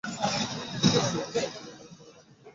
লোকটির কাছ থেকে দৃষ্টি ফিরিয়ে নেবারও ক্ষমতা নেই।